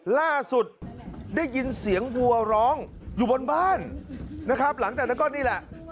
ได้ยินเสียงวัวร้องอยู่บนบ้านนะครับหลังจากนั้นก็นี่แหละ